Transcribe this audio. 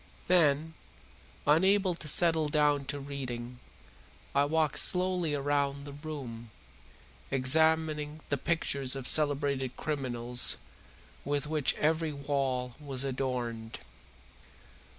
Then, unable to settle down to reading, I walked slowly round the room, examining the pictures of celebrated criminals with which every wall was adorned.